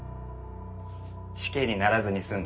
死刑にならずに済んだ。